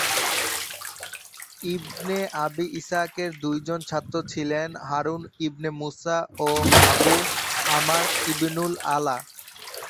ইবনে আবি ইসহাকের দুইজন ছাত্র ছিলেন হারুন ইবনে মুসা ও আবু আমর ইবনুল আলা।